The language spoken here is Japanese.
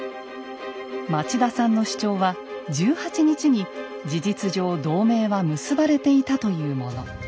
町田さんの主張は１８日に事実上同盟は結ばれていたというもの。